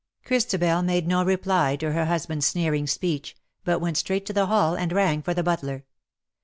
Christabel made no reply to her husband^s sneering speech, but went straight to the hall, and rang for the butler.